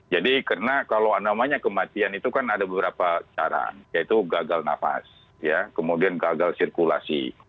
jadi karena kalau namanya kematian itu kan ada beberapa cara yaitu gagal nafas kemudian gagal sirkulasi